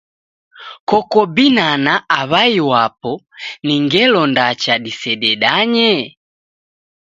Koko binana aw'ai wapo ni ngelo ndacha disededanye?